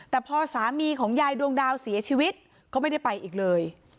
แต่พอสามีของยายดวงดาวเสียชีวิตก็ไม่ได้ไปอีกเลย